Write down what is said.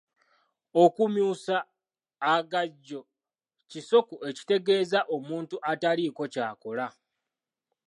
Okumyusa agajjo kisoko ekitegeeza omuntu ataliiko ky'akola.